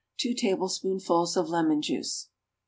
2 tablespoonfuls of lemon juice.